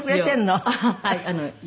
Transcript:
はい。